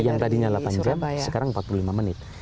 yang tadinya delapan jam sekarang empat puluh lima menit